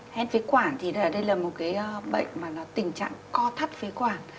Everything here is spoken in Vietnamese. hen phế quản thì đây là một bệnh tình trạng co thắt phế quản